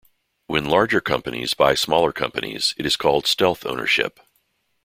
When larger companies buy smaller companies it is called stealth ownership.